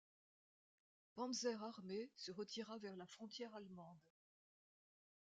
Panzerarmee se retira vers la frontière allemande.